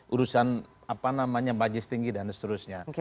urusan bajis tinggi dan seterusnya